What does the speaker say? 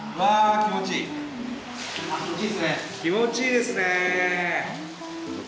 気持ちいいですね。